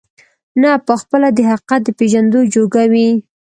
نه په خپله د حقيقت د پېژندو جوگه وي،